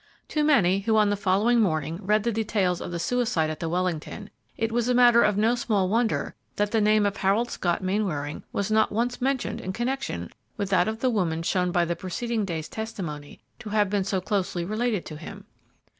To many, who, on the following morning, read the details of the suicide at the Wellington, it was a matter of no small wonder that the name of Harold Scott Mainwaring was not once mentioned in connection with that of the woman shown by the preceding day's testimony to have been so closely related to him.